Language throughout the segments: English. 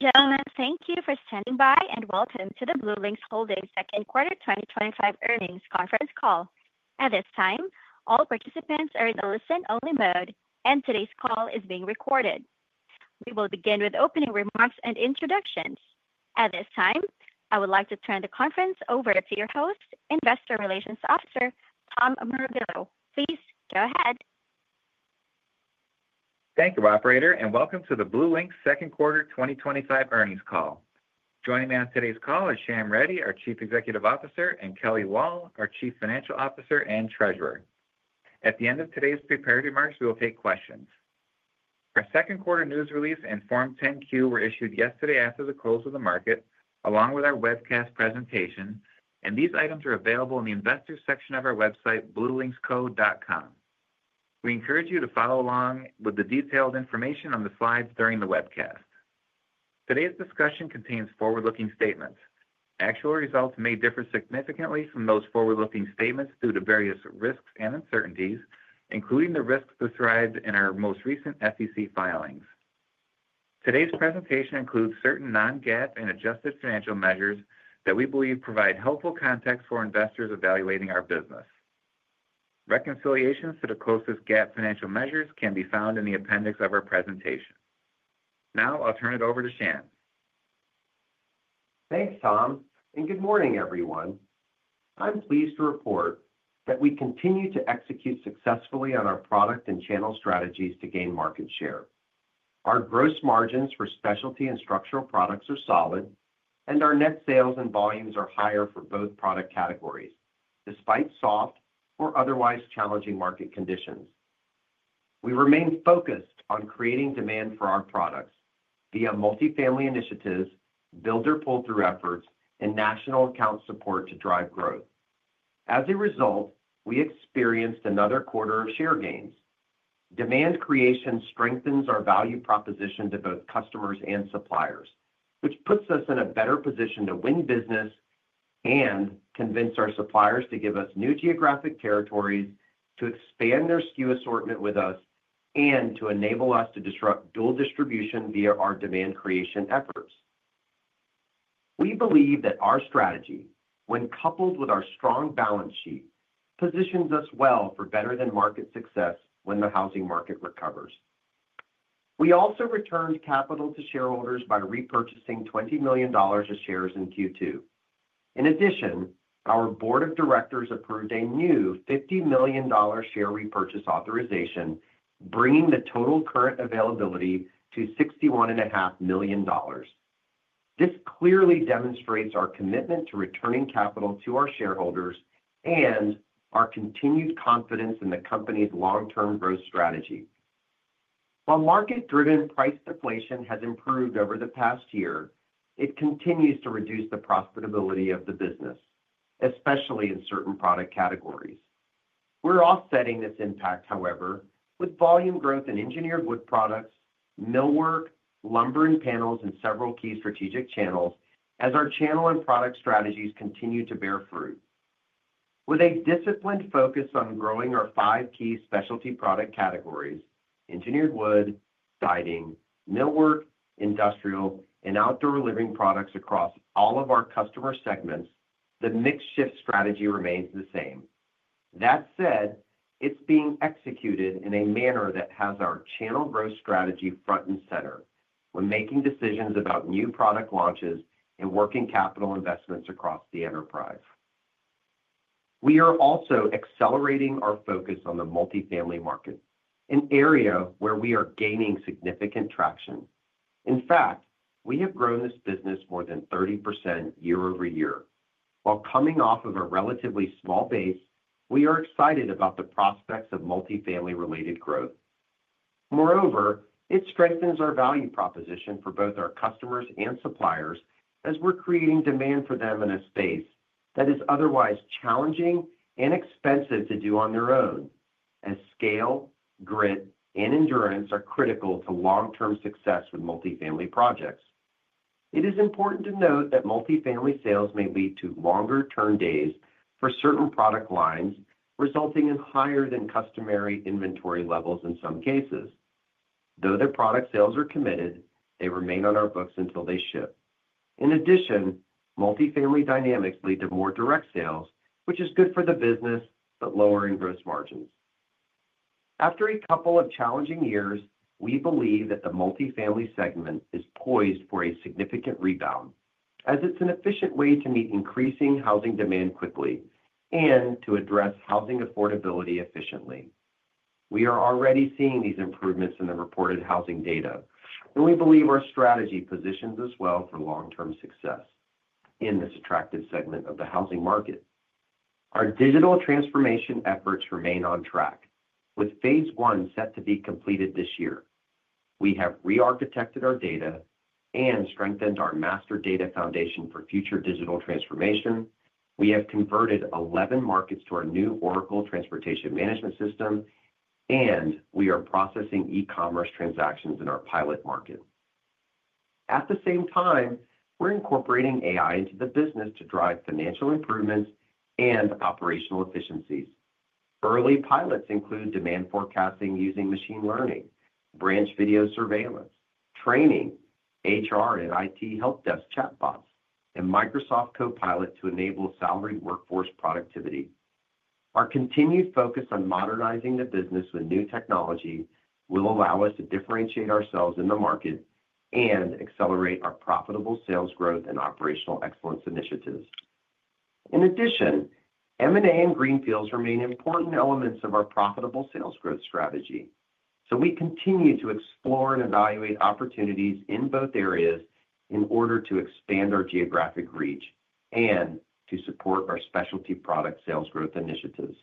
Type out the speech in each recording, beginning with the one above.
Ladies and gentlemen, thank you for standing by and welcome to the BlueLinx Holdings Inc. Second Quarter 2025 Earnings Conference Call. At this time, all participants are in the listen-only mode, and today's call is being recorded. We will begin with opening remarks and introductions. At this time, I would like to turn the conference over to your host, Investor Relations Officer Tom Morabito. Please go ahead. Thank you, operator, and welcome to the BlueLinx Second Quarter 2025 Earnings Call. Joining me on today's call is Shyam Reddy, our Chief Executive Officer, and Kelly Moll, our Chief Financial Officer and Treasurer. At the end of today's prepared remarks, we will take questions. Our second quarter news release and Form 10-Q were issued yesterday after the close of the market, along with our webcast presentation, and these items are available in the Investors section of our website, bluelinxco.com. We encourage you to follow along with the detailed information on the slides during the webcast. Today's discussion contains forward-looking statements. Actual results may differ significantly from those forward-looking statements due to various risks and uncertainties, including the risks described in our most recent SEC filings. Today's presentation includes certain non-GAAP and adjusted financial measures that we believe provide helpful context for investors evaluating our business. Reconciliations to the closest GAAP financial measures can be found in the appendix of our presentation. Now, I'll turn it over to Shyam. Thanks, Tom, and good morning, everyone. I'm pleased to report that we continue to execute successfully on our product and channel strategies to gain market share. Our gross margins for specialty and structural products are solid, and our net sales and volumes are higher for both product categories, despite soft or otherwise challenging market conditions. We remain focused on creating demand for our products via multifamily initiatives, builder pull-through efforts, and national account support to drive growth. As a result, we experienced another quarter of share gains. Demand creation strengthens our value proposition to both customers and suppliers, which puts us in a better position to win business and convince our suppliers to give us new geographic territories to expand their SKU assortment with us and to enable us to disrupt dual distribution via our demand creation efforts. We believe that our strategy, when coupled with our strong balance sheet, positions us well for better-than-market success when the housing market recovers. We also returned capital to shareholders by repurchasing $20 million of shares in Q2. In addition, our Board of Directors approved a new $50 million share repurchase authorization, bringing the total current availability to $61.5 million. This clearly demonstrates our commitment to returning capital to our shareholders and our continued confidence in the company's long-term growth strategy. While market-driven price deflation has improved over the past year, it continues to reduce the profitability of the business, especially in certain product categories. We're offsetting this impact, however, with volume growth in engineered wood products, millwork, lumber, and panels in several key strategic channels, as our channel and product strategies continue to bear fruit. With a disciplined focus on growing our five key specialty product categories: engineered wood, siding, millwork, industrial, and outdoor living products across all of our customer segments, the mixed shift strategy remains the same. That said, it's being executed in a manner that has our channel growth strategy front and center when making decisions about new product launches and working capital investments across the enterprise. We are also accelerating our focus on the multifamily market, an area where we are gaining significant traction. In fact, we have grown this business more than 30% year-over-year. While coming off of a relatively small base, we are excited about the prospects of multifamily-related growth. Moreover, it strengthens our value proposition for both our customers and suppliers, as we're creating demand for them in a space that is otherwise challenging and expensive to do on their own, as scale, grit, and endurance are critical to long-term success with multifamily projects. It is important to note that multifamily sales may lead to longer turn days for certain product lines, resulting in higher than customary inventory levels in some cases. Though the product sales are committed, they remain on our books until they ship. In addition, multifamily dynamics lead to more direct sales, which is good for the business, but lowering gross margins. After a couple of challenging years, we believe that the multifamily segment is poised for a significant rebound, as it's an efficient way to meet increasing housing demand quickly and to address housing affordability efficiently. We are already seeing these improvements in the reported housing data, and we believe our strategy positions us well for long-term success in this attractive segment of the housing market. Our digital transformation efforts remain on track, with phase one set to be completed this year. We have re-architected our data and strengthened our master data foundation for future digital transformation. We have converted 11 markets to our new Oracle Transportation Management platform, and we are processing e-commerce transactions in our pilot market. At the same time, we're incorporating AI into the business to drive financial improvements and operational efficiencies. Early pilots include demand forecasting using machine learning, branch video surveillance, training, HR and IT helpdesk chatbots, and Microsoft Copilot to enable salaried workforce productivity. Our continued focus on modernizing the business with new technology will allow us to differentiate ourselves in the market and accelerate our profitable sales growth and operational excellence initiatives. In addition, M&A and greenfields remain important elements of our profitable sales growth strategy, so we continue to explore and evaluate opportunities in both areas in order to expand our geographic reach and to support our specialty product sales growth initiatives.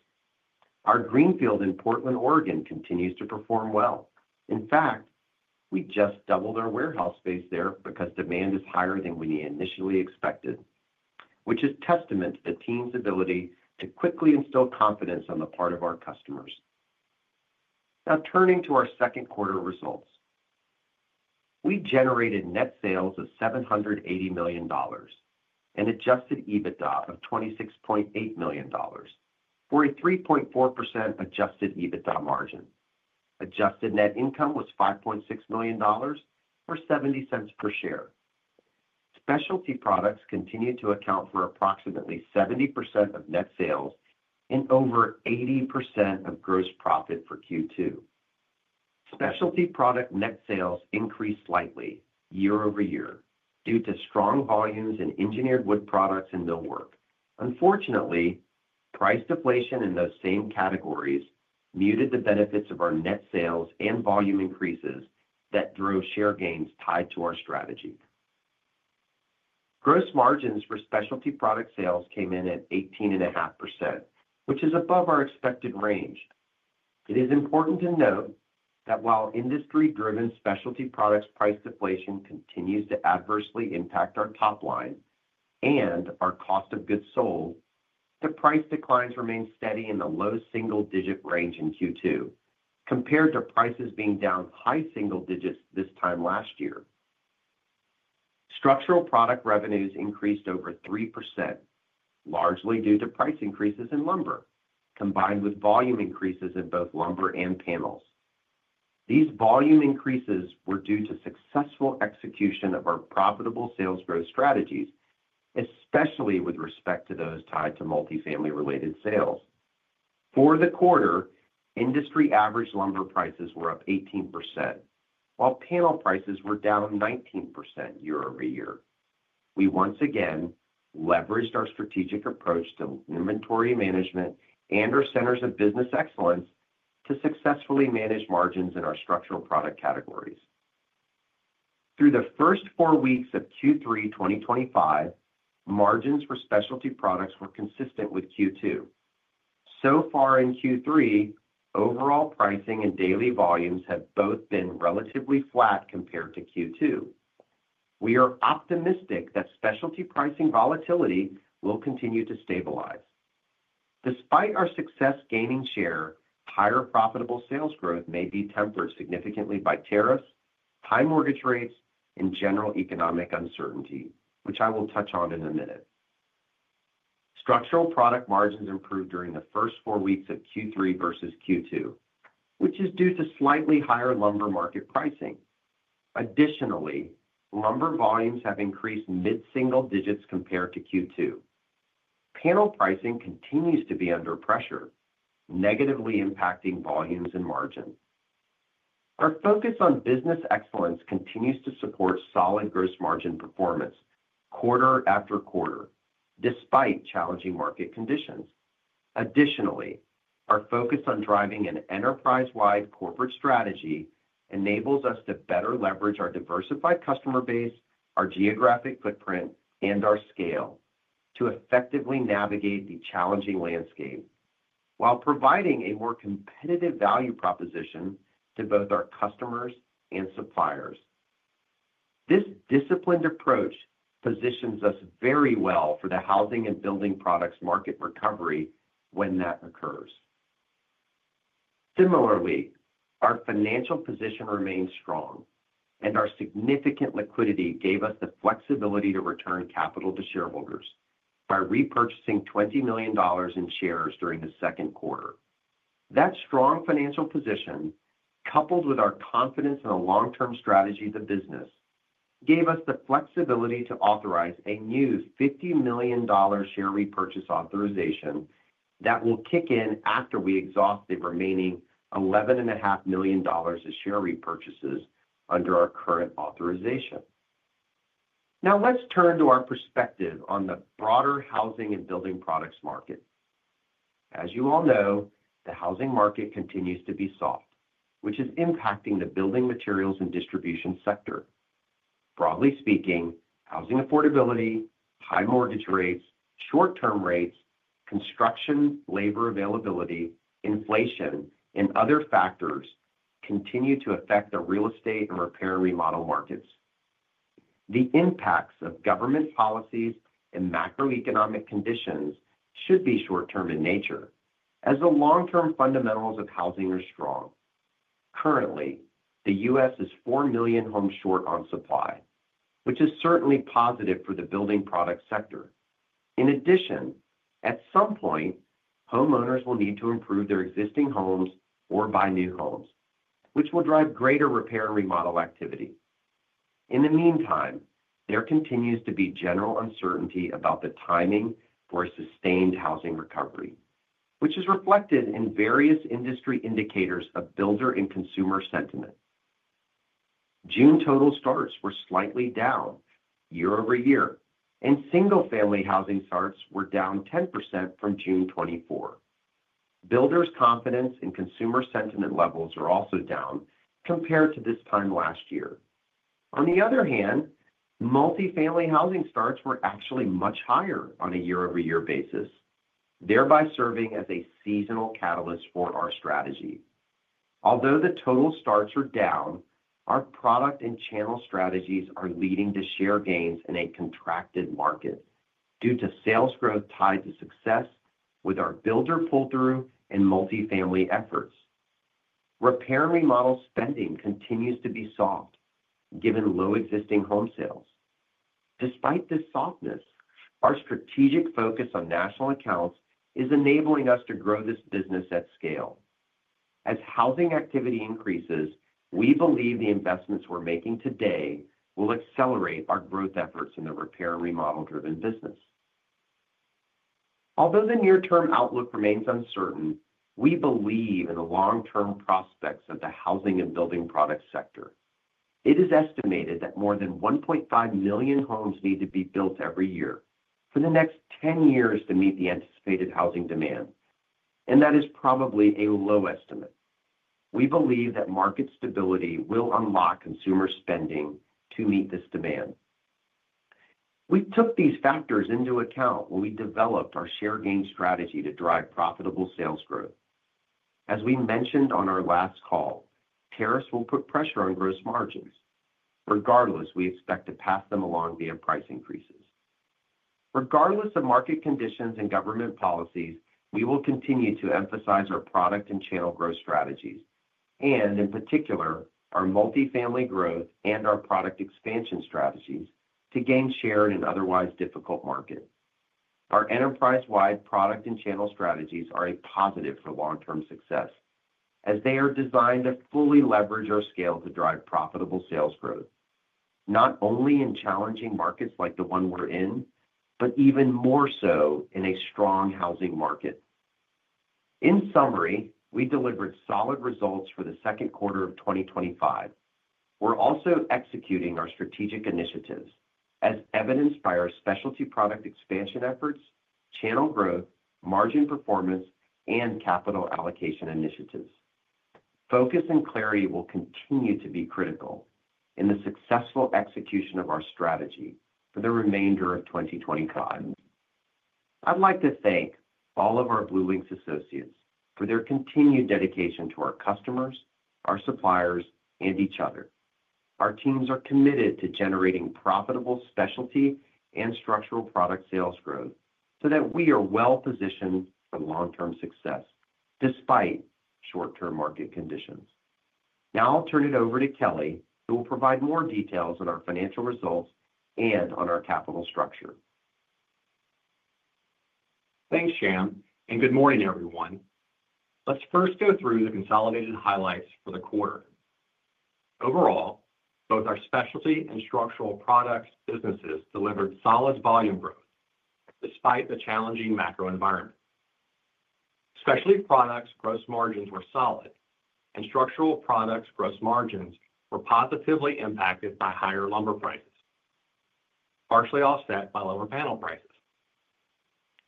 Our greenfield in Portland, Oregon, continues to perform well. In fact, we just doubled our warehouse space there because demand is higher than we initially expected, which is a testament to the team's ability to quickly instill confidence on the part of our customers. Now, turning to our second quarter results, we generated net sales of $780 million and adjusted EBITDA of $26.8 million for a 3.4% adjusted EBITDA margin. Adjusted net income was $5.6 million, or $0.70 per share. Specialty products continue to account for approximately 70% of net sales and over 80% of gross profit for Q2. Specialty product net sales increased slightly year-over-year due to strong volumes in engineered wood products and millwork. Unfortunately, price deflation in those same categories muted the benefits of our net sales and volume increases that drove share gains tied to our strategy. Gross margins for specialty product sales came in at 18.5%, which is above our expected range. It is important to note that while industry-driven specialty products price deflation continues to adversely impact our top line and our cost of goods sold, the price declines remain steady in the low single-digit range in Q2, compared to prices being down high single digits this time last year. Structural product revenues increased over 3%, largely due to price increases in lumber, combined with volume increases in both lumber and panels. These volume increases were due to successful execution of our profitable sales growth strategies, especially with respect to those tied to multifamily-related sales. For the quarter, industry average lumber prices were up 18%, while panel prices were down 19% year-over-year. We once again leveraged our strategic approach to inventory management and our centers of business excellence to successfully manage margins in our structural product categories. Through the first four weeks of Q3 2025, margins for specialty products were consistent with Q2. So far in Q3, overall pricing and daily volumes have both been relatively flat compared to Q2. We are optimistic that specialty pricing volatility will continue to stabilize. Despite our success gaining share, higher profitable sales growth may be tempered significantly by tariffs, high mortgage rates, and general economic uncertainty, which I will touch on in a minute. Structural product margins improved during the first four weeks of Q3 versus Q2, which is due to slightly higher lumber market pricing. Additionally, lumber volumes have increased mid-single digits compared to Q2. Panel pricing continues to be under pressure, negatively impacting volumes and margin. Our focus on business excellence continues to support solid gross margin performance, quarter after quarter, despite challenging market conditions. Additionally, our focus on driving an enterprise-wide corporate strategy enables us to better leverage our diversified customer base, our geographic footprint, and our scale to effectively navigate the challenging landscape while providing a more competitive value proposition to both our customers and suppliers. This disciplined approach positions us very well for the housing and building products market recovery when that occurs. Similarly, our financial position remains strong, and our significant liquidity gave us the flexibility to return capital to shareholders by repurchasing $20 million in shares during the second quarter. That strong financial position, coupled with our confidence in a long-term strategy of the business, gave us the flexibility to authorize a new $50 million share repurchase authorization that will kick in after we exhaust the remaining $11.5 million of share repurchases under our current authorization. Now, let's turn to our perspective on the broader housing and building products market. As you all know, the housing market continues to be soft, which is impacting the building materials and distribution sector. Broadly speaking, housing affordability, high mortgage rates, short-term rates, construction labor availability, inflation, and other factors continue to affect the real estate and repair and remodel markets. The impacts of government policies and macroeconomic conditions should be short-term in nature, as the long-term fundamentals of housing are strong. Currently, the U.S. is 4 million homes short on supply, which is certainly positive for the building product sector. In addition, at some point, homeowners will need to improve their existing homes or buy new homes, which will drive greater repair and remodel activity. In the meantime, there continues to be general uncertainty about the timing for a sustained housing recovery, which is reflected in various industry indicators of builder and consumer sentiment. June total starts were slightly down year-over-year, and single-family housing starts were down 10% from June 2024. Builders' confidence in consumer sentiment levels are also down compared to this time last year. On the other hand, multifamily housing starts were actually much higher on a year-over-year basis, thereby serving as a seasonal catalyst for our strategy. Although the total starts are down, our product and channel strategies are leading to share gains in a contracted market due to sales growth tied to success with our builder pull-through and multifamily efforts. Repair and remodel spending continues to be soft, given low existing home sales. Despite this softness, our strategic focus on national accounts is enabling us to grow this business at scale. As housing activity increases, we believe the investments we're making today will accelerate our growth efforts in the repair and remodel-driven business. Although the near-term outlook remains uncertain, we believe in the long-term prospects of the housing and building product sector. It is estimated that more than 1.5 million homes need to be built every year for the next 10 years to meet the anticipated housing demand, and that is probably a low estimate. We believe that market stability will unlock consumer spending to meet this demand. We took these factors into account when we developed our share gain strategy to drive profitable sales growth. As we mentioned on our last call, tariffs will put pressure on gross margins. Regardless, we expect to pass them along via price increases. Regardless of market conditions and government policies, we will continue to emphasize our product and channel growth strategies, and in particular, our multifamily growth and our product expansion strategies to gain share in an otherwise difficult market. Our enterprise-wide product and channel strategies are a positive for long-term success, as they are designed to fully leverage our scale to drive profitable sales growth, not only in challenging markets like the one we're in, but even more so in a strong housing market. In summary, we delivered solid results for the second quarter of 2025. We're also executing our strategic initiatives, as evidenced by our specialty product expansion efforts, channel growth, margin performance, and capital allocation initiatives. Focus and clarity will continue to be critical in the successful execution of our strategy for the remainder of 2025. I'd like to thank all of our BlueLinx associates for their continued dedication to our customers, our suppliers, and each other. Our teams are committed to generating profitable specialty and structural product sales growth so that we are well positioned for long-term success despite short-term market conditions. Now, I'll turn it over to Kelly, who will provide more details on our financial results and on our capital structure. Thanks, Shyam, and good morning, everyone. Let's first go through the consolidated highlights for the quarter. Overall, both our specialty and structural products businesses delivered solid volume growth despite the challenging macro environment. Specialty products' gross margins were solid, and structural products' gross margins were positively impacted by higher lumber prices, partially offset by lower panel prices.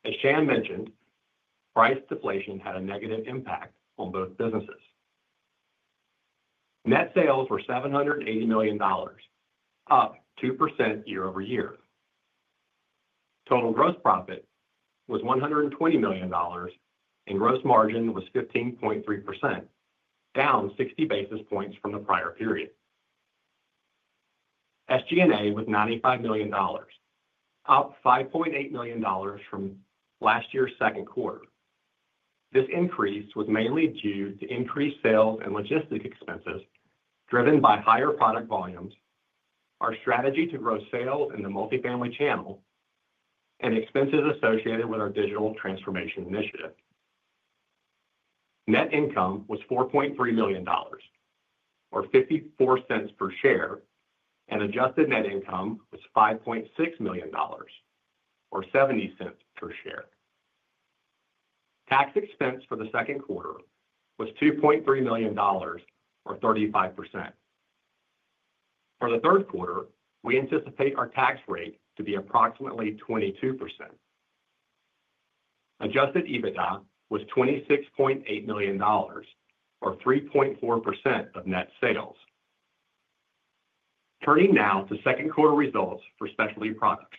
As Shyam mentioned, price deflation had a negative impact on both businesses. Net sales were $780 million, up 2% year-over-year. Total gross profit was $120 million, and gross margin was 15.3%, down 60 basis points from the prior period. SG&A was $95 million, up $5.8 million from last year's second quarter. This increase was mainly due to increased sales and logistic expenses driven by higher product volumes, our strategy to grow sales in the multifamily channel, and expenses associated with our digital transformation initiative. Net income was $4.3 million, or $0.54 per share, and adjusted net income was $5.6 million, or $0.70 per share. Tax expense for the second quarter was $2.3 million, or 35%. For the third quarter, we anticipate our tax rate to be approximately 22%. Adjusted EBITDA was $26.8 million, or 3.4% of net sales. Turning now to second quarter results for specialty products.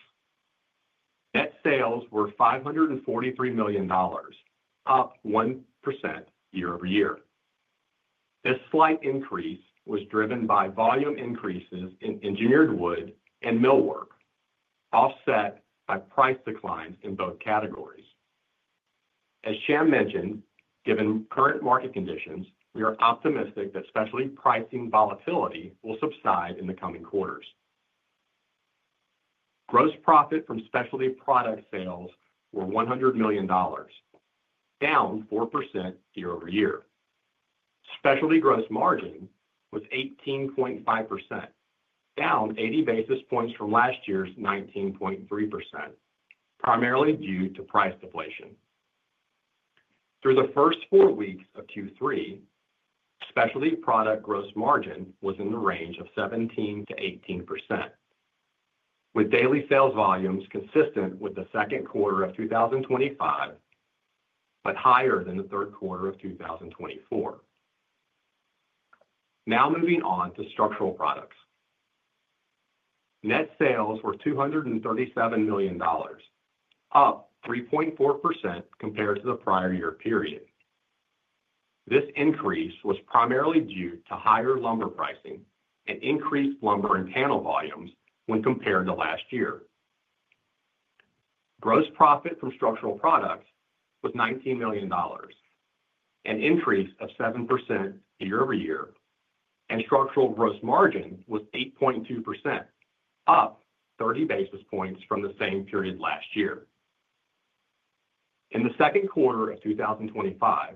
Net sales were $543 million, up 1% year-over-year. This slight increase was driven by volume increases in engineered wood and millwork, offset by price declines in both categories. As Shyam mentioned, given current market conditions, we are optimistic that specialty pricing volatility will subside in the coming quarters. Gross profit from specialty product sales was $100 million, down 4% year-over-year. Specialty gross margin was 18.5%, down 80 basis points from last year's 19.3%, primarily due to price deflation. Through the first four weeks of Q3, specialty product gross margin was in the range of 17% to 18%, with daily sales volumes consistent with the second quarter of 2024, but higher than the third quarter of 2023. Now moving on to structural products. Net sales were $237 million, up 3.4% compared to the prior year period. This increase was primarily due to higher lumber pricing and increased lumber and panel volumes when compared to last year. Gross profit from structural products was $19 million, an increase of 7% year-over-year, and structural gross margin was 8.2%, up 30 basis points from the same period last year. In the second quarter of 2025,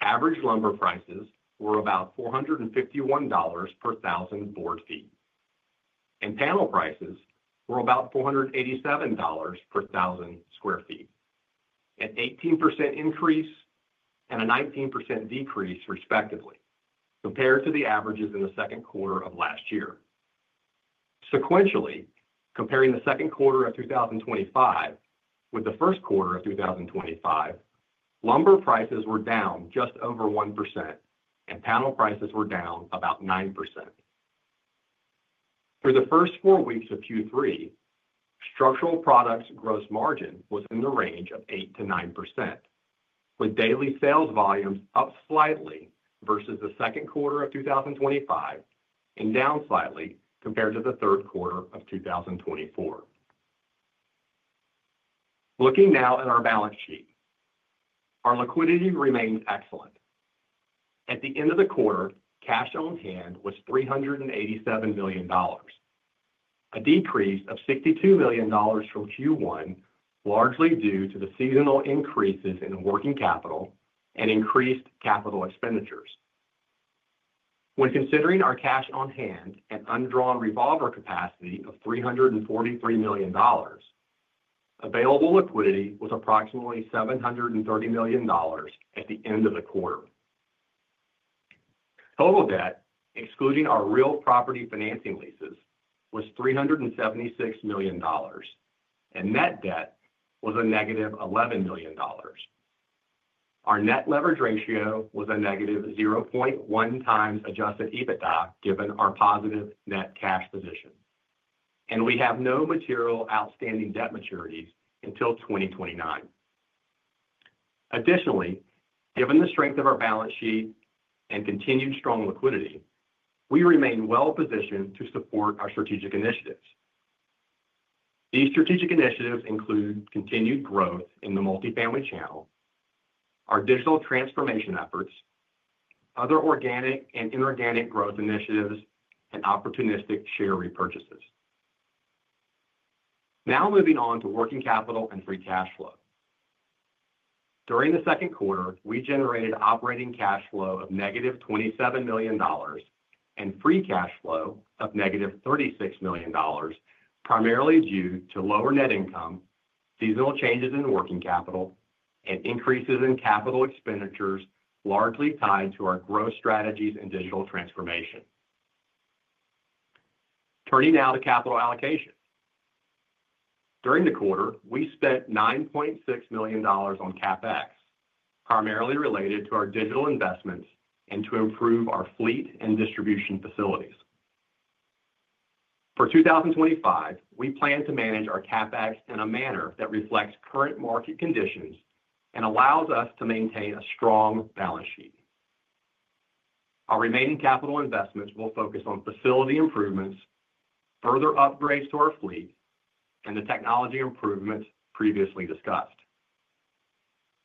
average lumber prices were about $451 per 1000 board feet, and panel prices were about $487 per 1000 sq ft, an 18% increase and a 19% decrease, respectively, compared to the averages in the second quarter of last year. Sequentially, comparing the second quarter of 2025 with the first quarter of 2025, lumber prices were down just over 1%, and panel prices were down about 9%. Through the first four weeks of Q3, structural products' gross margin was in the range of 8% to 9%, with daily sales volumes up slightly versus the second quarter of 2025 and down slightly compared to the third quarter of 2024. Looking now at our balance sheet, our liquidity remains excellent. At the end of the quarter, cash on hand was $387 million, a decrease of $62 million from Q1, largely due to the seasonal increases in working capital and increased capital expenditures. When considering our cash on hand and undrawn revolver capacity of $343 million, available liquidity was approximately $730 million at the end of the quarter. Total debt, excluding our real property financing leases, was $376 million, and net debt was a negative $11 million. Our net leverage ratio was a negative 0.1 times adjusted EBITDA, given our positive net cash position, and we have no material outstanding debt maturities until 2029. Additionally, given the strength of our balance sheet and continued strong liquidity, we remain well positioned to support our strategic initiatives. These strategic initiatives include continued growth in the multifamily channel, our digital transformation efforts, other organic and inorganic growth initiatives, and opportunistic share repurchases. Now moving on to working capital and free cash flow. During the second quarter, we generated operating cash flow of negative $27 million and free cash flow of negative $36 million, primarily due to lower net income, seasonal changes in working capital, and increases in capital expenditures, largely tied to our growth strategies and digital transformation. Turning now to capital allocation. During the quarter, we spent $9.6 million on CapEx, primarily related to our digital investments and to improve our fleet and distribution facilities. For 2025, we plan to manage our CapEx in a manner that reflects current market conditions and allows us to maintain a strong balance sheet. Our remaining capital investments will focus on facility improvements, further upgrades to our fleet, and the technology improvements previously discussed.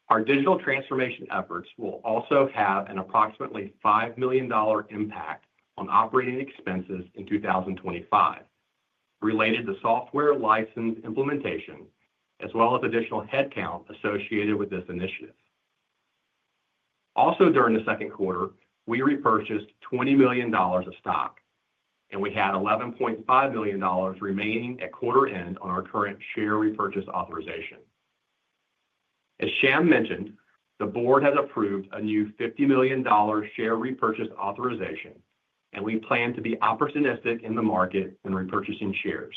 Our digital transformation efforts will also have an approximately $5 million impact on operating expenses in 2025, related to software license implementation, as well as additional headcount associated with this initiative. Also, during the second quarter, we repurchased $20 million of stock, and we had $11.5 million remaining at quarter end on our current share repurchase authorization. As Shyam mentioned, the board has approved a new $50 million share repurchase authorization, and we plan to be opportunistic in the market when repurchasing shares.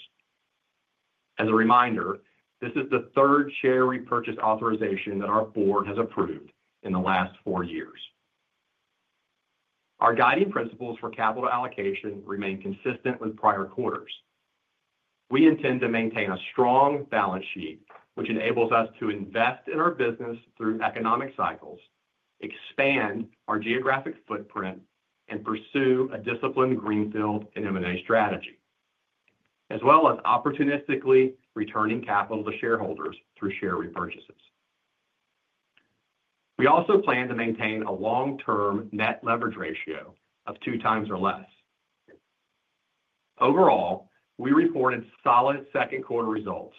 As a reminder, this is the third share repurchase authorization that our board has approved in the last four years. Our guiding principles for capital allocation remain consistent with prior quarters. We intend to maintain a strong balance sheet, which enables us to invest in our business through economic cycles, expand our geographic footprint, and pursue a disciplined greenfield and M&A strategy, as well as opportunistically returning capital to shareholders through share repurchases. We also plan to maintain a long-term net leverage ratio of two times or less. Overall, we reported solid second quarter results,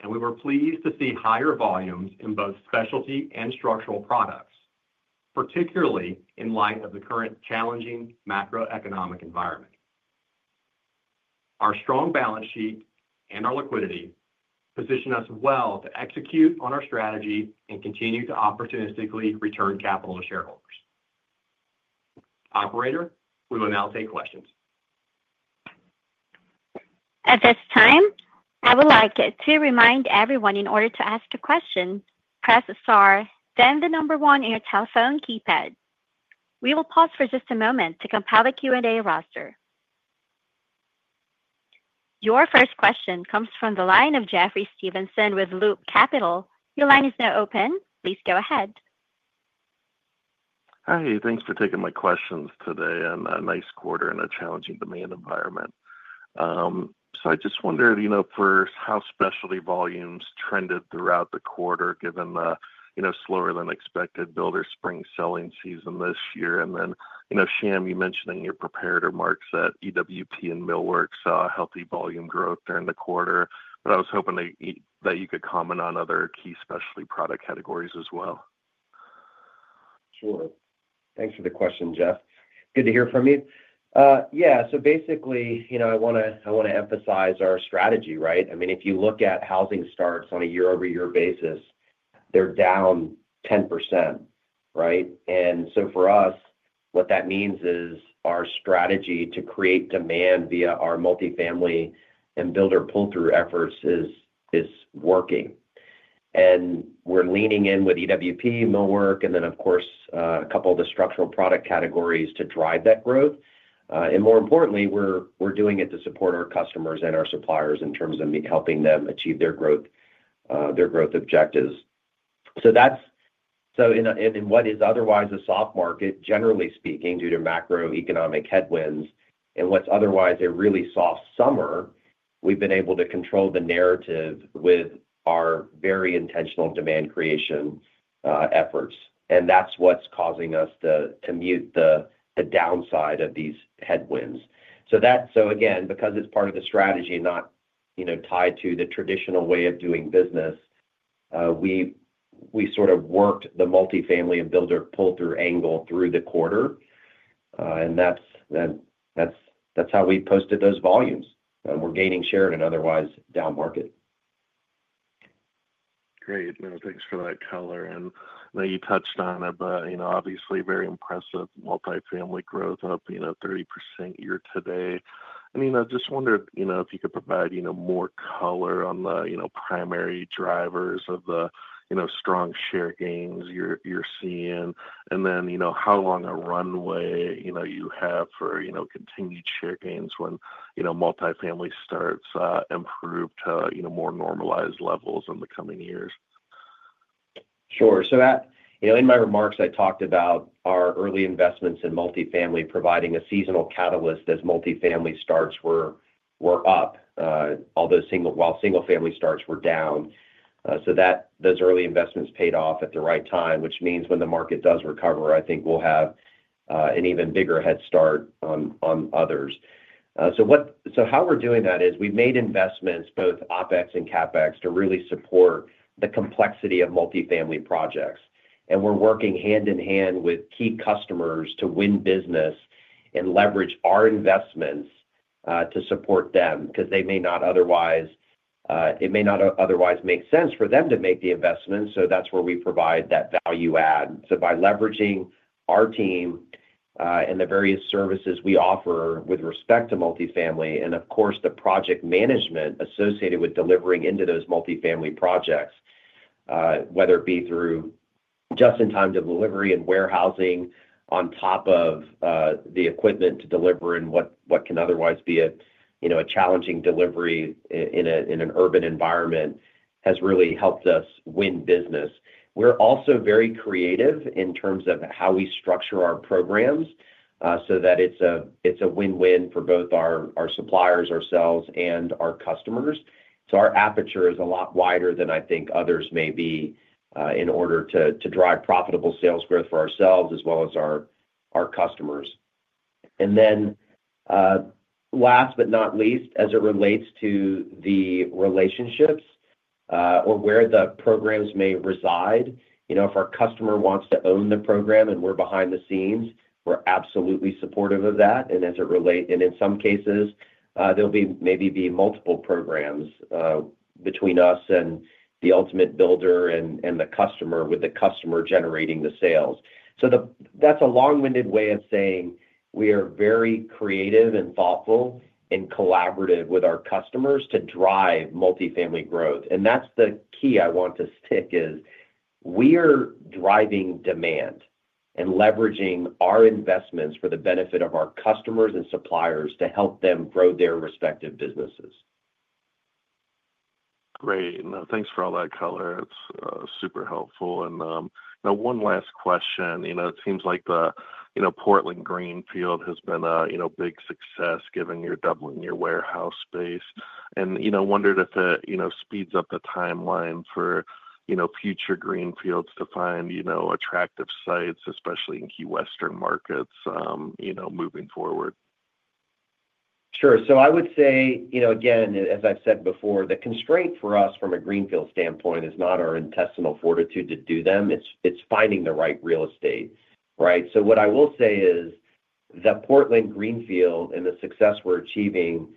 and we were pleased to see higher volumes in both specialty and structural products, particularly in light of the current challenging macroeconomic environment. Our strong balance sheet and our liquidity position us well to execute on our strategy and continue to opportunistically return capital to shareholders. Operator, we will now take questions. At this time, I would like to remind everyone, in order to ask a question, press star, then the number one on your telephone keypad. We will pause for just a moment to compile the Q&A roster. Your first question comes from the line of Jeffrey Stevenson with Loop Capital. Your line is now open. Please go ahead. Hi. Thanks for taking my questions today and a nice quarter in a challenging demand environment. I just wondered, for how specialty volumes trended throughout the quarter, given the slower than expected builder spring selling season this year. Shyam, you mentioned in your prepared remarks that engineered wood and millwork saw healthy volume growth during the quarter, but I was hoping that you could comment on other key specialty product categories as well. Sure. Thanks for the question, Jeff. Good to hear from you. Yeah, so basically, you know, I want to emphasize our strategy, right? I mean, if you look at housing starts on a year-over-year basis, they're down 10%, right? For us, what that means is our strategy to create demand via our multifamily and builder pull-through efforts is working. We're leaning in with engineered wood products, millwork, and then, of course, a couple of the structural product categories to drive that growth. More importantly, we're doing it to support our customers and our suppliers in terms of helping them achieve their growth objectives. In what is otherwise a soft market, generally speaking, due to macroeconomic headwinds, and what's otherwise a really soft summer, we've been able to control the narrative with our very intentional demand creation efforts. That's what's causing us to mute the downside of these headwinds. Again, because it's part of the strategy and not, you know, tied to the traditional way of doing business, we sort of worked the multifamily and builder pull-through angle through the quarter. That's how we posted those volumes. We're gaining share in an otherwise down market. Great. Thanks for that color. I know you touched on it, but obviously, very impressive multifamily growth up 30% year to date. I just wondered if you could provide more color on the primary drivers of the strong share gains you're seeing. How long a runway you have for continued share gains when multifamily starts improve to more normalized levels in the coming years. Sure. In my remarks, I talked about our early investments in multifamily providing a seasonal catalyst as multifamily starts were up, although single-family starts were down. Those early investments paid off at the right time, which means when the market does recover, I think we'll have an even bigger head start on others. How we're doing that is we've made investments, both OpEx and CapEx, to really support the complexity of multifamily projects. We're working hand in hand with key customers to win business and leverage our investments to support them because it may not otherwise make sense for them to make the investments. That's where we provide that value add. By leveraging our team and the various services we offer with respect to multifamily, and of course, the project management associated with delivering into those multifamily projects, whether it be through just-in-time delivery and warehousing on top of the equipment to deliver in what can otherwise be a challenging delivery in an urban environment, has really helped us win business. We're also very creative in terms of how we structure our programs so that it's a win-win for both our suppliers, ourselves, and our customers. Our aperture is a lot wider than I think others may be, in order to drive profitable sales growth for ourselves as well as our customers. Last but not least, as it relates to the relationships or where the programs may reside, if our customer wants to own the program and we're behind the scenes, we're absolutely supportive of that. In some cases, there may be multiple programs between us and the ultimate builder and the customer, with the customer generating the sales. That's a long-winded way of saying we are very creative and thoughtful and collaborative with our customers to drive multifamily growth. The key I want to stick is we are driving demand and leveraging our investments for the benefit of our customers and suppliers to help them grow their respective businesses. Great. No, thanks for all that color. It's super helpful. One last question. It seems like the Portland Greenfield has been a big success given you're doubling your warehouse space. I wondered if it speeds up the timeline for future greenfields to find attractive sites, especially in key Western markets moving forward. Sure. I would say, as I've said before, the constraint for us from a greenfield standpoint is not our intestinal fortitude to do them. It's finding the right real estate, right? What I will say is the Portland greenfield and the success we're achieving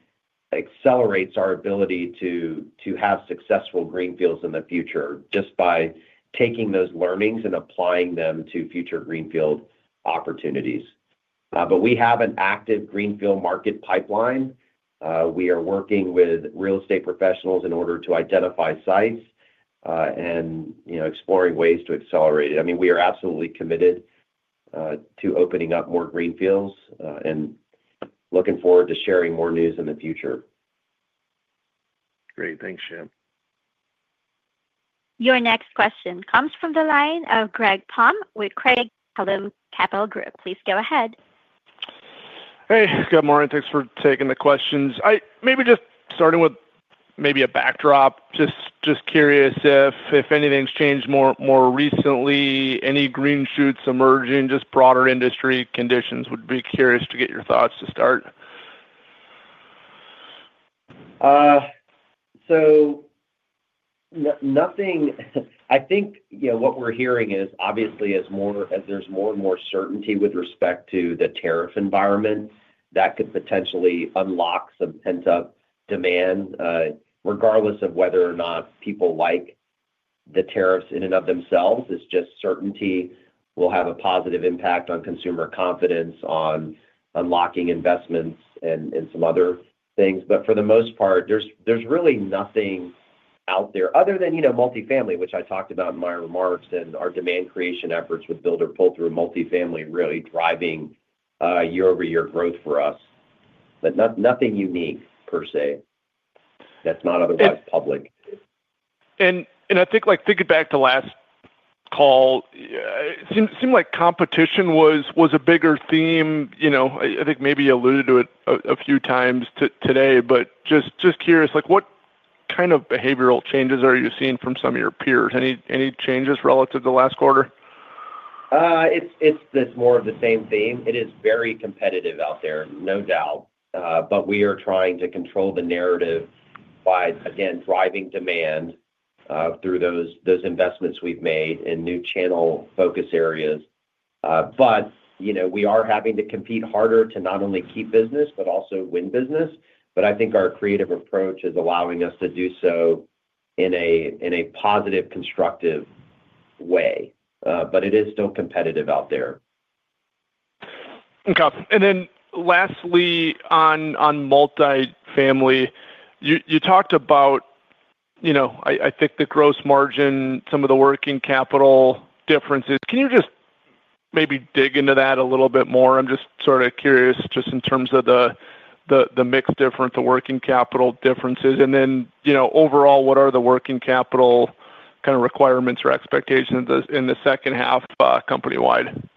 accelerates our ability to have successful greenfields in the future just by taking those learnings and applying them to future greenfield opportunities. We have an active greenfield market pipeline. We are working with real estate professionals in order to identify sites, and exploring ways to accelerate it. We are absolutely committed to opening up more greenfields, and looking forward to sharing more news in the future. Great. Thanks, Shyam. Your next question comes from the line of Greg Palm with Craig-Hallum Capital Group. Please go ahead. Hey, good morning. Thanks for taking the questions. Maybe just starting with a backdrop, just curious if anything's changed more recently, any green shoots emerging, just broader industry conditions, would be curious to get your thoughts to start. I think what we're hearing is obviously as there's more and more certainty with respect to the tariff environment, that could potentially unlock some pent-up demand, regardless of whether or not people like the tariffs in and of themselves. Certainty will have a positive impact on consumer confidence, on unlocking investments, and some other things. For the most part, there's really nothing out there other than multifamily, which I talked about in my remarks and our demand creation efforts with builder pull-through multifamily really driving year-over-year growth for us. Nothing unique per se that's not otherwise public. I think like thinking back to last call, it seemed like competition was a bigger theme. I think maybe you alluded to it a few times today, but just curious, what kind of behavioral changes are you seeing from some of your peers? Any changes relative to the last quarter? It's more of the same theme. It is very competitive out there, no doubt. We are trying to control the narrative by, again, driving demand through those investments we've made in new channel focus areas. We are having to compete harder to not only keep business but also win business. I think our creative approach is allowing us to do so in a positive, constructive way. It is still competitive out there. Okay. Lastly, on multifamily, you talked about, you know, I think the gross margin, some of the working capital differences. Can you just maybe dig into that a little bit more? I'm just sort of curious, just in terms of the mixed difference, the working capital differences. Overall, what are the working capital kind of requirements or expectations in the second half, company-wide?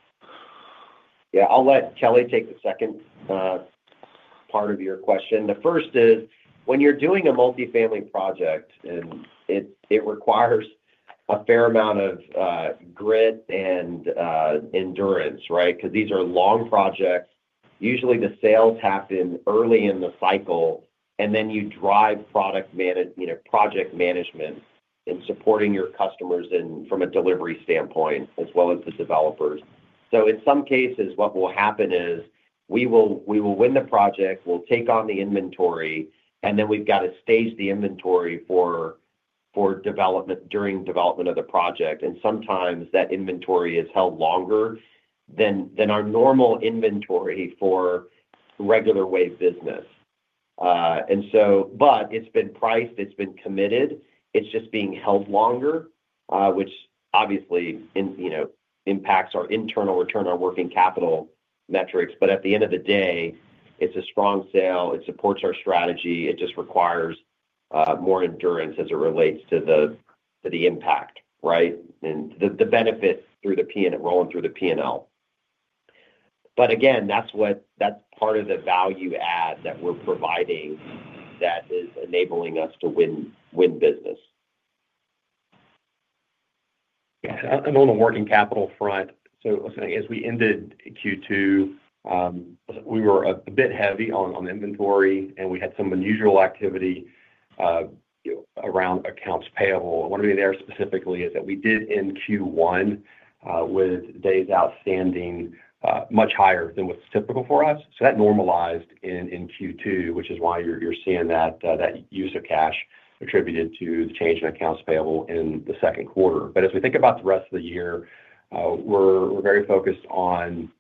Yeah, I'll let Kelly take the second part of your question. The first is when you're doing a multifamily project, and it requires a fair amount of grit and endurance, right? Because these are long projects. Usually, the sales happen early in the cycle, and then you drive product management, project management, and supporting your customers from a delivery standpoint as well as the developers. In some cases, what will happen is we will win the project, we'll take on the inventory, and then we've got to stage the inventory for development during development of the project. Sometimes that inventory is held longer than our normal inventory for regular way business, and so, but it's been priced, it's been committed, it's just being held longer, which obviously impacts our internal return, our working capital metrics. At the end of the day, it's a strong sale, it supports our strategy, it just requires more endurance as it relates to the impact, right? The benefits through the P&L. Again, that's part of the value add that we're providing that is enabling us to win business. Yeah, on the working capital front, as we ended Q2, we were a bit heavy on inventory, and we had some unusual activity around accounts payable. What I mean there specifically is that we did end Q1 with days outstanding much higher than what's typical for us. That normalized in Q2, which is why you're seeing that use of cash attributed to the change in accounts payable in the second quarter. As we think about the rest of the year, we're very focused on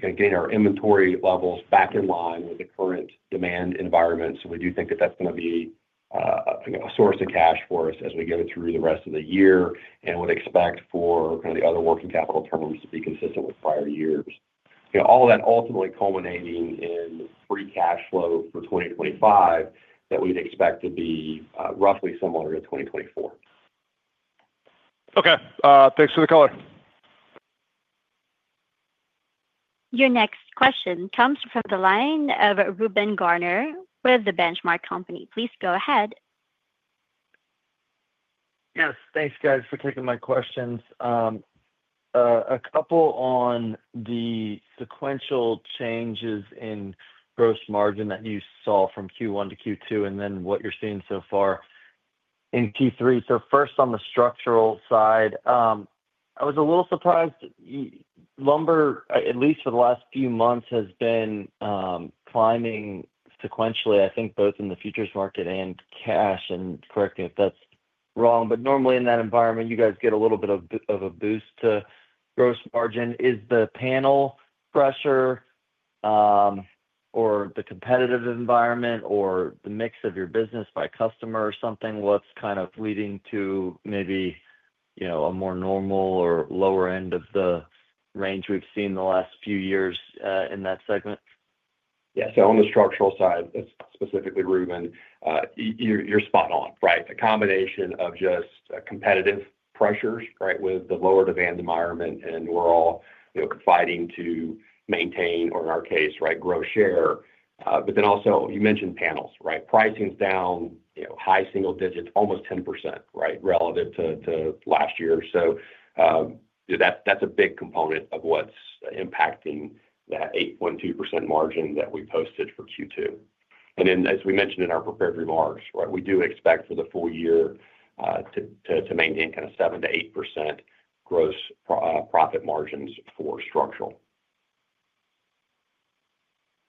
getting our inventory levels back in line with the current demand environment. We do think that that's going to be a source of cash for us as we go through the rest of the year and would expect for the other working capital terms to be consistent with prior years. All of that ultimately culminating in free cash flow for 2025 that we'd expect to be roughly similar to 2024. Okay, thanks for the color. Your next question comes from the line of Reuben Garner with The Benchmark Company. Please go ahead. Yes. Thanks, guys, for taking my questions. A couple on the sequential changes in gross margin that you saw from Q1 to Q2 and then what you're seeing so far in Q3. First on the structural side, I was a little surprised. Lumber, at least for the last few months, has been climbing sequentially, I think, both in the futures market and cash. Correct me if that's wrong. Normally in that environment, you guys get a little bit of a boost to gross margin. Is the panel pressure, or the competitive environment, or the mix of your business by customer, or something, what's kind of leading to maybe a more normal or lower end of the range we've seen the last few years in that segment? Yeah. On the structural side, specifically Reuben, you're spot on, right? The combination of just competitive pressures, right, with the lower demand environment, and we're all, you know, fighting to maintain, or in our case, right, grow share. You also mentioned panels, right? Pricing's down, you know, high single digits, almost 10%, right, relative to last year. That's a big component of what's impacting that 8.2% margin that we posted for Q2. As we mentioned in our prepared remarks, we do expect for the full year to maintain kind of 7% to 8% gross profit margins for structural.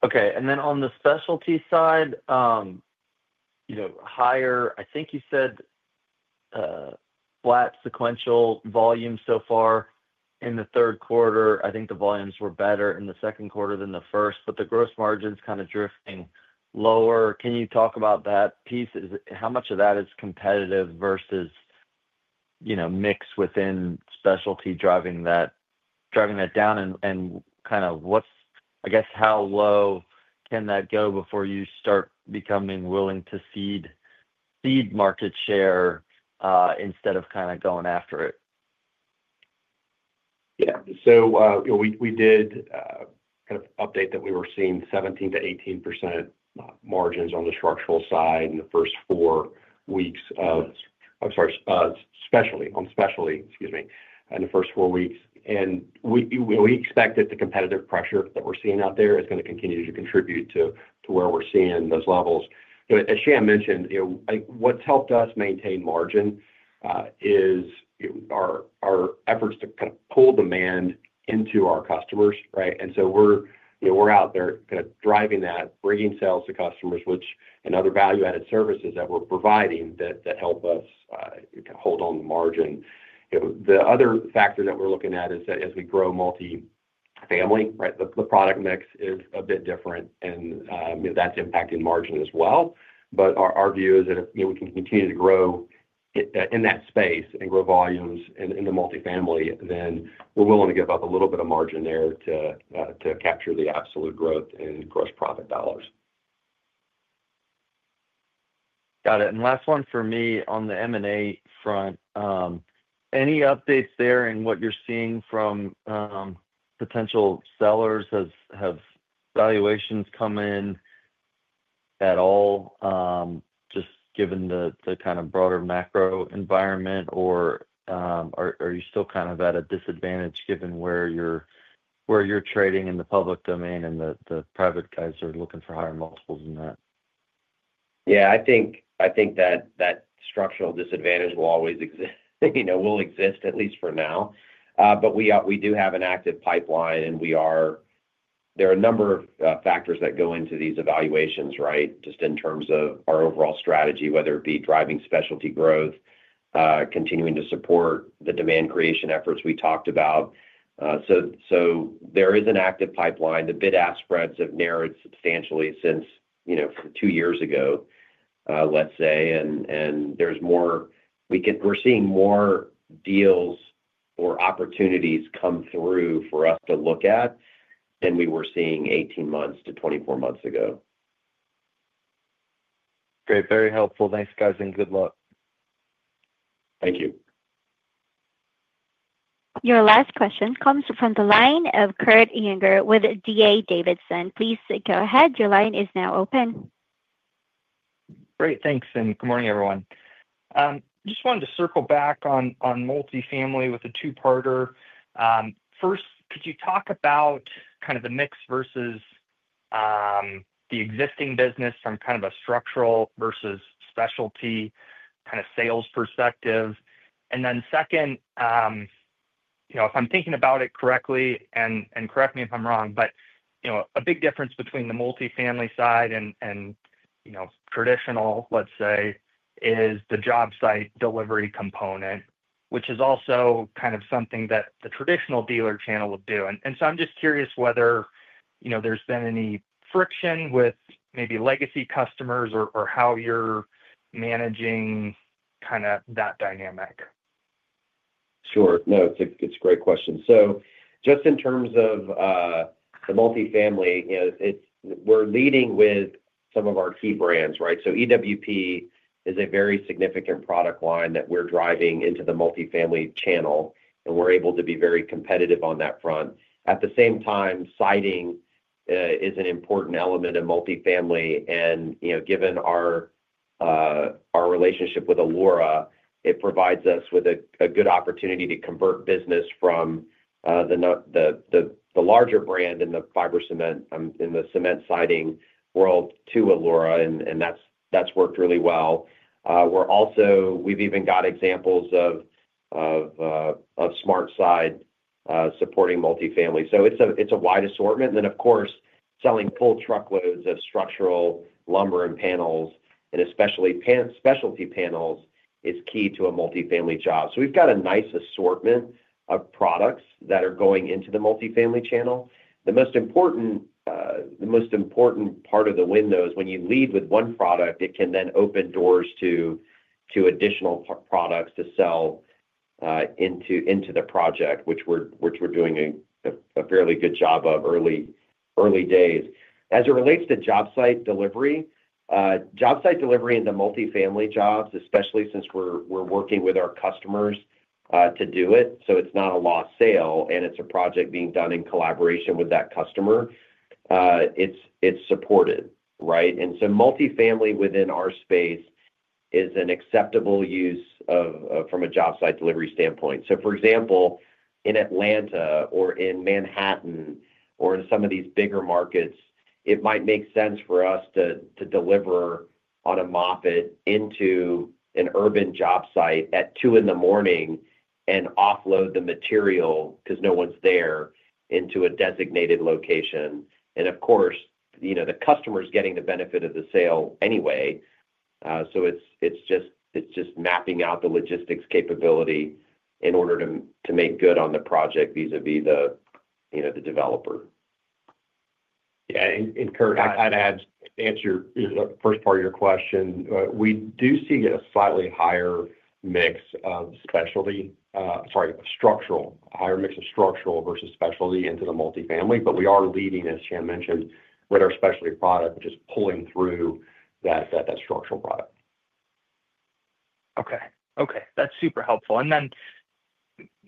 Okay. On the specialty side, you know, higher, I think you said, flat sequential volume so far in the third quarter. I think the volumes were better in the second quarter than the first, but the gross margin's kind of drifting lower. Can you talk about that piece? Is it how much of that is competitive versus, you know, mix within specialty driving that down? Kind of what's, I guess, how low can that go before you start becoming willing to seed market share, instead of going after it? Yeah. We did kind of update that we were seeing 17% to 18% margins on the specialty side in the first four weeks. We expect that the competitive pressure that we're seeing out there is going to continue to contribute to where we're seeing those levels. As Shyam mentioned, what's helped us maintain margin is our efforts to kind of pull demand into our customers, right? We're out there kind of driving that, bringing sales to customers, and other value-added services that we're providing that help us hold on the margin. The other factor that we're looking at is that as we grow multifamily, the product mix is a bit different, and that's impacting margin as well. Our view is that if we can continue to grow in that space and grow volumes in the multifamily, then we're willing to give up a little bit of margin there to capture the absolute growth in gross profit dollars. Got it. Last one for me on the M&A front. Any updates there in what you're seeing from potential sellers? Have valuations come in at all, just given the kind of broader macro environment, or are you still kind of at a disadvantage given where you're trading in the public domain and the private guys are looking for higher multiples in that? I think that structural disadvantage will always exist, you know, will exist at least for now. We do have an active pipeline, and there are a number of factors that go into these evaluations, right, just in terms of our overall strategy, whether it be driving specialty growth, continuing to support the demand creation efforts we talked about. There is an active pipeline. The bid-ask spreads have narrowed substantially since, you know, two years ago, let's say. There's more, we're seeing more deals or opportunities come through for us to look at than we were seeing 18 months to 24 months ago. Great. Very helpful. Thanks, guys, and good luck. Thank you. Your last question comes from the line of Kurt Yinger with D.A. Davidson. Please go ahead. Your line is now open. Great. Thanks. Good morning, everyone. I just wanted to circle back on multifamily with a two-parter. First, could you talk about kind of the mix versus the existing business from kind of a structural versus specialty kind of sales perspective? Second, if I'm thinking about it correctly, and correct me if I'm wrong, a big difference between the multifamily side and, you know, traditional, let's say, is the job site delivery component, which is also kind of something that the traditional dealer channel would do. I'm just curious whether there's been any friction with maybe legacy customers or how you're managing kind of that dynamic. Sure. No, it's a great question. Just in terms of the multifamily, you know, we're leading with some of our key brands, right? EWP is a very significant product line that we're driving into the multifamily channel, and we're able to be very competitive on that front. At the same time, siding is an important element of multifamily. Given our relationship with Allura, it provides us with a good opportunity to convert business from the larger brand in the fiber cement, in the cement siding world to Allura, and that's worked really well. We've even got examples of SmartSide supporting multifamily. It's a wide assortment. Of course, selling full truckloads of structural lumber and panels, and especially specialty panels, is key to a multifamily job. We've got a nice assortment of products that are going into the multifamily channel. The most important part of the window is when you lead with one product, it can then open doors to additional products to sell into the project, which we're doing a fairly good job of early days. As it relates to job site delivery, job site delivery in the multifamily jobs, especially since we're working with our customers to do it, is not a lost sale, and it's a project being done in collaboration with that customer. It's supported, right? Multifamily within our space is an acceptable use of, from a job site delivery standpoint. For example, in Atlanta or in Manhattan or in some of these bigger markets, it might make sense for us to deliver on a Moffett into an urban job site at 2:00 A.M. and offload the material because no one's there into a designated location. Of course, the customer's getting the benefit of the sale anyway. It's just mapping out the logistics capability in order to make good on the project vis-à-vis the developer. Yeah. Kurt, I'd add to your first part of your question. We do see a slightly higher mix of structural versus specialty into the multifamily, but we are leading, as Shyam mentioned, with our specialty product, which is pulling through that structural product. Okay. That's super helpful.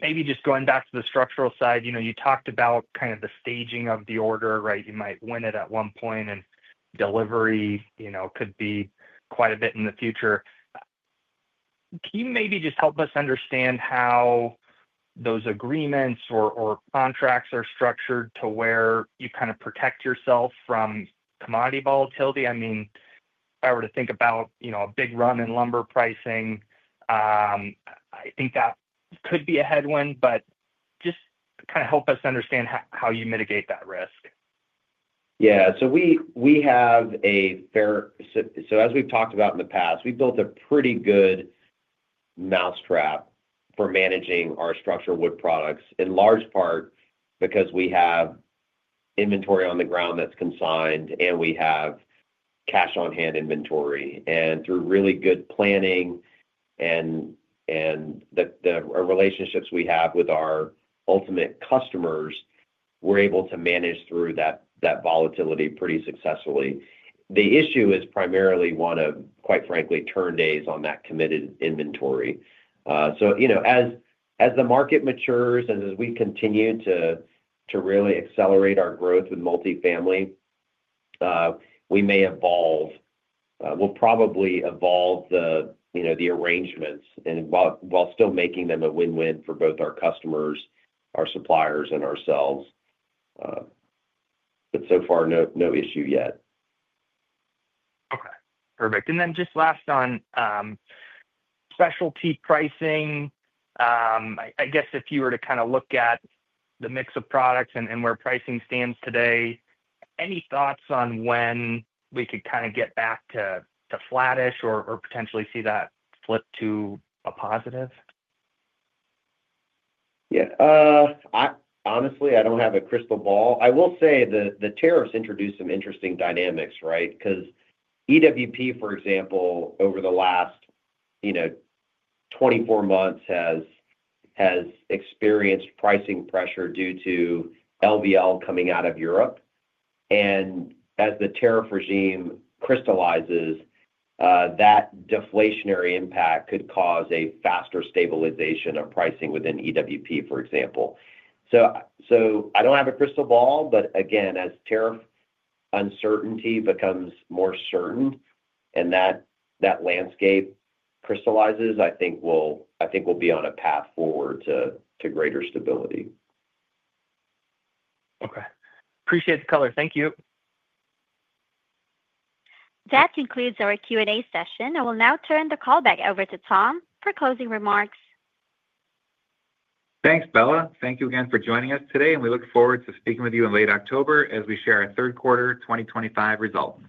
Maybe just going back to the structural side, you talked about kind of the staging of the order, right? You might win it at one point, and delivery could be quite a bit in the future. Can you maybe just help us understand how those agreements or contracts are structured to where you kind of protect yourself from commodity volatility? I mean, if I were to think about, you know, a big run in lumber pricing, I think that could be a headwind, but just kind of help us understand how you mitigate that risk. Yeah. We have a fair, as we've talked about in the past, we built a pretty good mousetrap for managing our structural wood products, in large part because we have inventory on the ground that's consigned, and we have cash on hand inventory. Through really good planning and the relationships we have with our ultimate customers, we're able to manage through that volatility pretty successfully. The issue is primarily one of, quite frankly, turn days on that committed inventory. As the market matures and as we continue to really accelerate our growth with multifamily, we may evolve. We'll probably evolve the arrangements while still making them a win-win for both our customers, our suppliers, and ourselves. So far, no issue yet. Okay. Perfect. Just last on specialty pricing, if you were to kind of look at the mix of products and where pricing stands today, any thoughts on when we could kind of get back to flattish or potentially see that flip to a positive? Yeah. I honestly don't have a crystal ball. I will say the tariffs introduce some interesting dynamics, right? Because EWP, for example, over the last, you know, 24 months has experienced pricing pressure due to LVL coming out of Europe. As the tariff regime crystallizes, that deflationary impact could cause a faster stabilization of pricing within EWP, for example. I don't have a crystal ball, but again, as tariff uncertainty becomes more certain and that landscape crystallizes, I think we'll be on a path forward to greater stability. Okay, appreciate the color. Thank you. That concludes our Q&A session. I will now turn the call back over to Tom for closing remarks. Thanks, Bella. Thank you again for joining us today, and we look forward to speaking with you in late October as we share our third quarter 2025 results.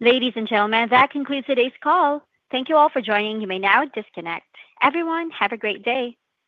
Ladies and gentlemen, that concludes today's call. Thank you all for joining. You may now disconnect. Everyone, have a great day.